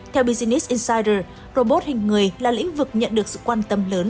theo business incyder robot hình người là lĩnh vực nhận được sự quan tâm lớn